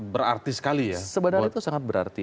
berarti sekali ya bahwa itu sangat berarti